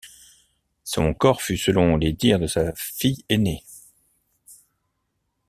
Son corps fut selon les dires de sa fille aînée.